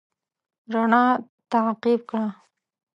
رڼا تعقيب کړه.